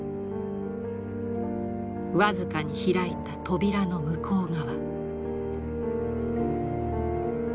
僅かに開いた扉の向こう側。